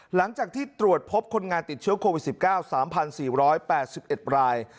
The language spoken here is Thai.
หลังจากที่ตรวจพบคนงานติดเชื้อโควิดสิบเก้าสามพันสี่ร้อยแปดสิบเอ็ดราย